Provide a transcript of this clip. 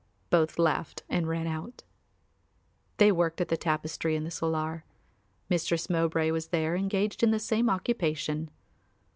Both laughed and ran out. They worked at the tapestry in the solar. Mistress Mowbray was there engaged in the same occupation.